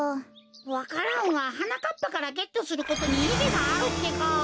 わか蘭ははなかっぱからゲットすることにいぎがあるってか。